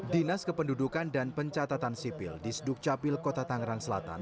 dinas kependudukan dan pencatatan sipil di sdukcapil kota tangerang selatan